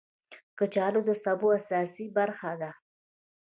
کچالو د سبو اساسي برخه ده